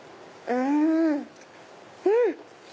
うん！